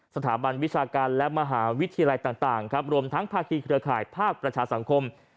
สถาบันวิชาการและมหาวิทยาลัยต่างครับรวมทั้งภาคีเครือข่ายภาคประชาสังคม